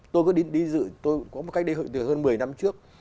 tôi có một cách đi hội từ hơn một mươi năm trước